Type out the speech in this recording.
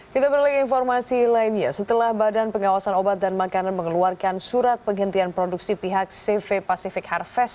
kita beralih ke informasi lainnya setelah badan pengawasan obat dan makanan mengeluarkan surat penghentian produksi pihak cv pacific harvest